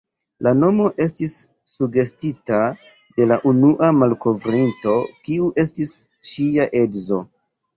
La nomo estis sugestita de la unua malkovrinto, kiu estis ŝia edzo.